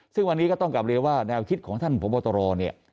ซึ่งวันนี้ก็ต้องกลับเรียนว่าแนวคิดของท่านพบตรเนี่ย